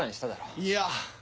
いや！